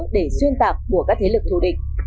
để xuyên tạc của các thế lực thù địch